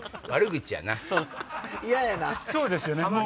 そうですよね